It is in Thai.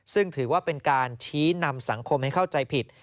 ซึ่งถือว่าเป็นการชี้นำสังคมให้เข้าใจผิด